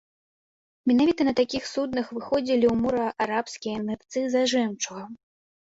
Менавіта на такіх суднах выходзілі ў мора арабскія нырцы за жэмчугам.